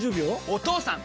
お義父さん！